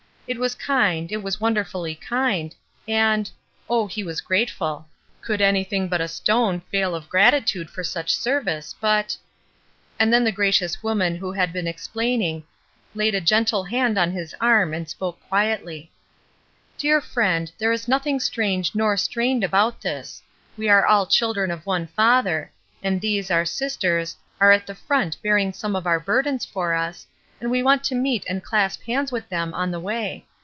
It was kind, it was wonderfully kind, and — oh, he was grateful. Could anything but a stone fail of gratitude for such service, but— And then the gracious woman who had been explaining laid a gentle hand on his arm and spoke quietly: — "Dear friend, there is nothing strange nor strained about this. We are all the children of one Father, and these, our sisters, are at the front bearing some of our burdens for us, and we want to meet and clasp hands with them on the way.